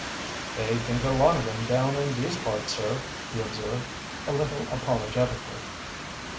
"They think a lot of him down in these parts, sir," he observed, a little apologetically.